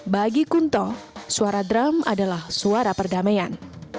bagi kunto suara drum adalah suara perdamaian